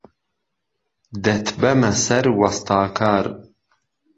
دهتبهمه سەر وەستاکار